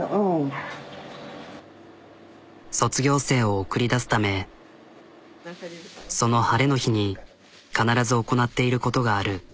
卒業生を送り出すためその晴れの日に必ず行なっていることがある。